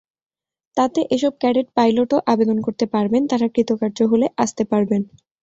তাতে এসব ক্যাডেট পাইলটও আবেদন করতে পারবেন, তাঁরা কৃতকার্য হলে আসতে পারবেন।